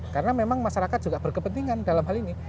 karena memang masyarakat juga berkepentingan dalam hal ini